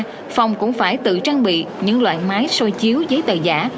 ngoài ra phòng cũng phải tự trang bị những loại máy xôi chiếu giấy tờ giả